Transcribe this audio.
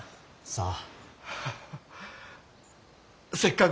さあ。